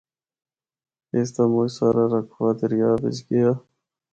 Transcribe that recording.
اس دا مُچ سارا رقبہ دریا بچ گیا۔